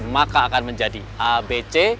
maka akan menjadi abc